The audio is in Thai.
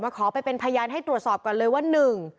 เราไม่ได้เป็นคนขายนะครับเราแค่เป็นคนซื้อ